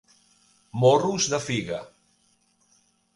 Morros de figa.